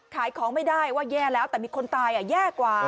ขายของไม่ได้ว่าแย่แล้วแต่มีคนตายแย่กว่า